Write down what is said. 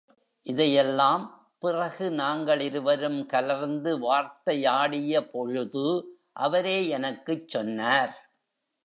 இதையெல்லாம், பிறகு நாங்களிருவரும் கலந்து வார்த்தை யாடிய பொழுது, அவரே எனக்குச் சொன்னார்.